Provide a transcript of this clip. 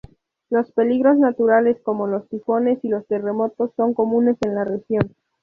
Los peligros naturales como los tifones y los terremotos son comunes en la región.